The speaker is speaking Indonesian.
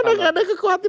enggak ada kekhawatiran